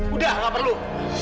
udah gak perlu